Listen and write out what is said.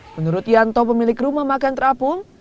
menurut yanto pemilik rumah makan terapung